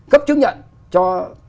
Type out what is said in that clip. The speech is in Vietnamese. cấp chứng nhận cho